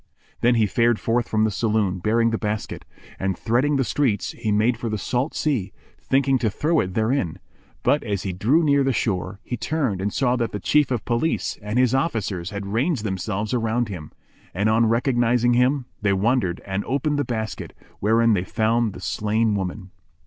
Then he fared forth from the saloon bearing the basket; and, threading the streets, he made for the salt sea, thinking to throw it therein: but as he drew near the shore, he turned and saw that the Chief of Police and his officers had ranged themselves around him; and, on recognising him, they wondered and opened the basket, wherein they found the slain woman.